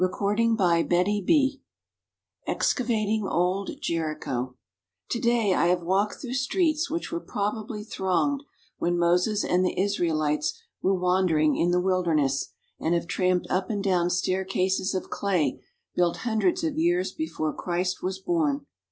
118 CHAPTER XVI EXCAVATING OLD JERICHO TO DAY I have walked through streets which were probably thronged when Moses and the Israelites were wandering in the Wilderness, and have tramped up and down staircases of clay built hundreds of years before Christ was born.